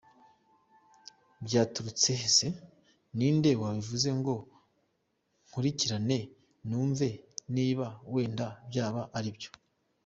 Byaturutse he se? Ninde wabivuze ngo nkurikirane numve niba wenda byaba aribyo.